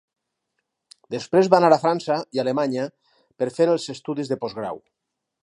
Després va anar a França i Alemanya per fer els estudis de postgrau.